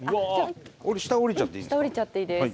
俺下下りちゃっていいですか？